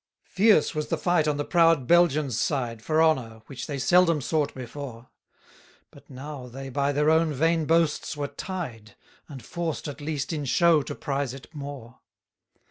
189 Fierce was the fight on the proud Belgians' side, For honour, which they seldom sought before! But now they by their own vain boasts were tied, And forced at least in show to prize it more.